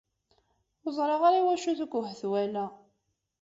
Ur ẓriɣ ara i wacu-t akk uhetwal-a.